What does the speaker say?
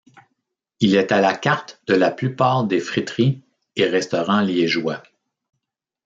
Il est à la carte de la plupart des friteries et restaurants liégeois.